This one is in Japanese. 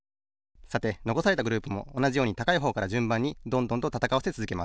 さてのこされたグループもおなじように高いほうからじゅんばんにどんどんとたたかわせつづけます。